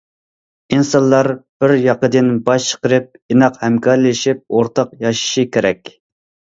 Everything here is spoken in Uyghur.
ئىنسانلار بىر ياقىدىن باش چىقىرىپ، ئىناق ھەمكارلىشىپ ئورتاق ياشىشى كېرەك.